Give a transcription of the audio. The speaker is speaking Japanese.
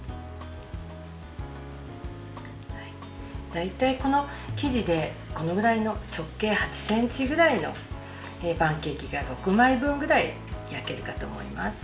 大体この生地で、このくらいの直径８ｃｍくらいのパンケーキが６枚分くらい焼けるかと思います。